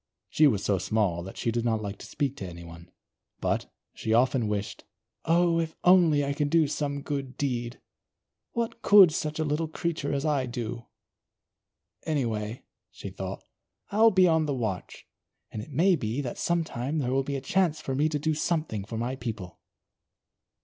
She was so small that she did not like to speak to anyone. But, she often wished: "Oh, if only I could do some good deed! What could such a little creature as I do? Anyway," she thought, "I'll be on the watch, and it may be that some time there will be a chance for me to do something for my people."